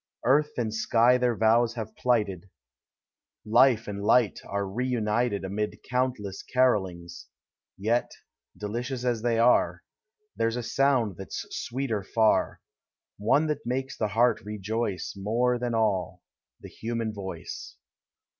Earth and Sky their vows have plighted; Life and Light are reunited Amid countless i a rollings; Yet, delicious as they are, There 's a sound that 's sweeter far,— One that makes the heart rejoice More than all, — the human voice!